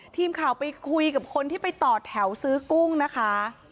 ทีมข่าวไปคุยกับคนที่ไปต่อแถวซื้อกุ้งนะคะ